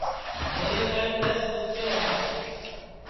میر کن دؔس سُسے ہے